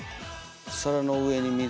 皿の上に水。